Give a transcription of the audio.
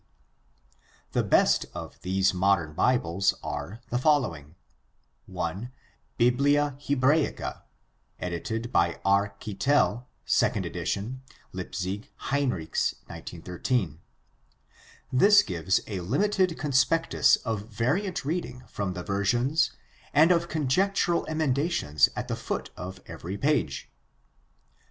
d.). The best of these modern Bibles are the following: (i) Biblia Hebraica edited by R. Kittel, 2d ed. (Leipzig: Hinrichs, 1913.) This gives a limited conspectus of variant reading from the versions and of conjectural emendations at the foot of every page.